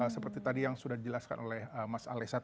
seperti tadi yang sudah dijelaskan oleh mas alessa tadi